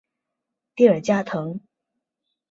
蒂尔加滕。